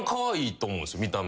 見た目。